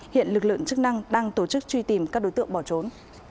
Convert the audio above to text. hiện lực lượng chức năng đang tổ chức truy tìm các đối tượng bỏ trốn